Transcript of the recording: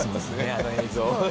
あの映像。